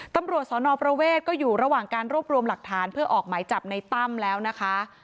ตำรวจสนประเวทก็อยู่ระหว่างการรวบรวมหลักฐานเพื่อออกหมายจับในตั้มแล้วนะคะ